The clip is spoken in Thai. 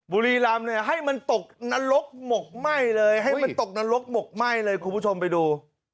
บุรีรำเนี่ยให้มันตกนรกหมกไหม้เลยให้มันตกนรกหมกไหม้เลยคุณผู้ชมไปดู